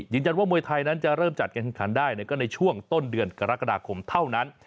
มวยไทยนั้นจะเริ่มจัดการแข่งขันได้ก็ในช่วงต้นเดือนกรกฎาคมเท่านั้น